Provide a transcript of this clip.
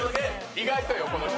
意外とよ、この人。